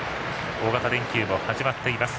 大型連休も始まっています。